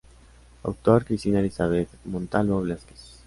Autor: Cristina Elizabeth Montalvo Velásquez.